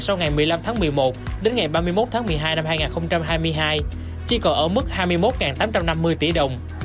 sau ngày một mươi năm tháng một mươi một đến ngày ba mươi một tháng một mươi hai năm hai nghìn hai mươi hai chỉ còn ở mức hai mươi một tám trăm năm mươi tỷ đồng